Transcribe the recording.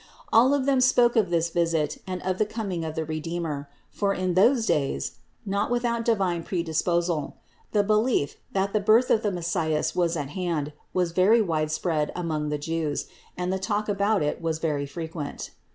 All of them spoke of this visit and of the coming of the Redeemer; for in those days, (not with out divine predisposal), the belief, that the birth of the Messias was at hand, was very widespread among the Jews, and the talk about it was very frequent.